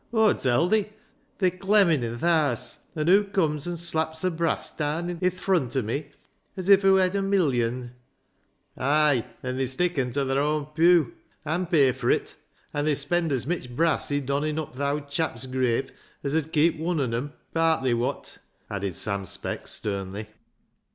Aw tell thi they'r clemmin' i' th' haase, and hoo comes an' slaps her brass daan i' th' frunt o' me as if hoo hed a milliond." " Ay, an' they sticken ta they'r oan pew, an' pay fur it. An' they spend as mitch brass i' donning up th' owd chap's grave as 'ud keep wun on 'em — partly w^ot," added Sam Speck sternly.